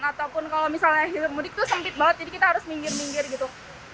ataupun kalau misalnya hilir mudik tuh sempit banget jadi kita harus minggir minggir gitu